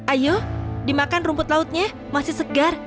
ayo dimakan rumput lautnya masih segar